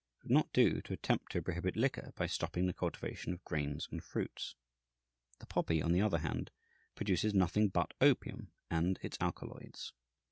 It would not do to attempt to prohibit liquor by stopping the cultivation of grains and fruits. The poppy, on the other hand, produces nothing but opium and its alkaloids.